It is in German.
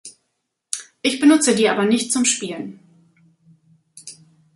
Ich benutze die aber nicht zum Spielen.